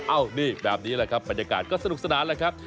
นี่แบบนี้แหละครับบรรยากาศก็สนุกสนานแหละครับ